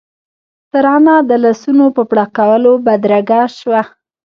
ترانه د لاسونو په پړکولو بدرګه شوه.